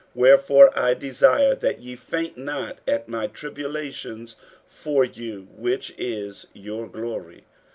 49:003:013 Wherefore I desire that ye faint not at my tribulations for you, which is your glory.